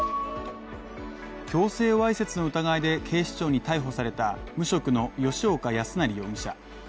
強制わいせつの疑いで警視庁に逮捕された無職の吉岡康成容疑者。